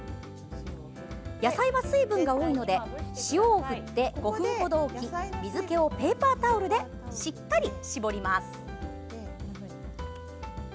野菜は水分が多いので塩を振って、５分程置き水けをペーパータオルでしっかり絞ります。